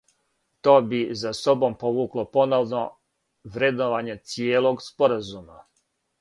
То би за собом повукло поновно вредновање цијелог споразума.